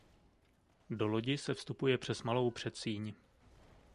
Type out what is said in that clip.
Do lodi se vstupuje přes malou předsíň.